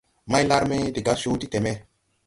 Maylarme de gas coo ti teme.